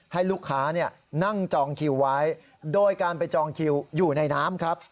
ให้ลูกค้านั่งจองคิวไว้โดยการไปจองคิวอยู่ในน้ำครับ